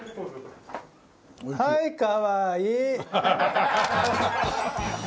はいかわいい。